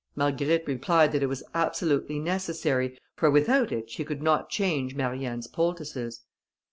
Marguerite replied that it was absolutely necessary, for without it she could not change Marianne's poultices.